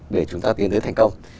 để chúng ta tiến tới thành công